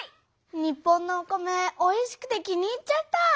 日本のお米おいしくて気に入っちゃった！